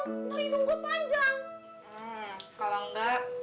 hmm kalau nggak